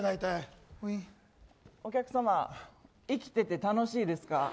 お客様生きてて楽しいですか？